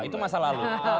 itu masa lalu